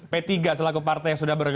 p tiga selaku partai yang sudah bergabung